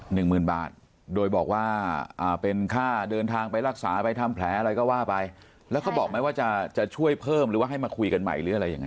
หนึ่งหมื่นบาทโดยบอกว่าอ่าเป็นค่าเดินทางไปรักษาไปทำแผลอะไรก็ว่าไปแล้วเขาบอกไหมว่าจะจะช่วยเพิ่มหรือว่าให้มาคุยกันใหม่หรืออะไรยังไง